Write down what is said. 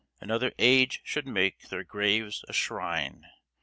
Another age should make their graves a shrine.